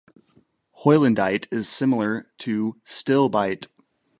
Heulandite is similar to stilbite.